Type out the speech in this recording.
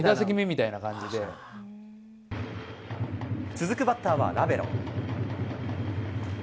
続くバッターはラベロ。